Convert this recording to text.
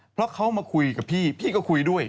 เพราะเขามาคุยกับพี่พี่ก็คุยด้วย